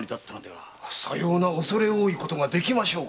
さようなおそれ多いことができましょうか？